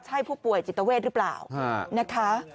ใช่ผู้ป่วยจิตเวทหรือเปล่านะคะ